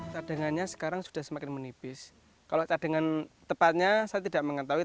cadangannya sekarang sudah semakin menipis kalau cadangan tepatnya saya tidak mengetahui